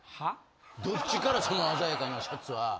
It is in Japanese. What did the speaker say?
どっちからその鮮やかなシャツは。